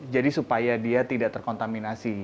jadi supaya dia tidak terkontaminasi